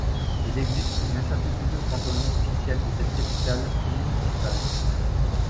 Il existe une incertitude quant au nom officiel de cette capitale municipale.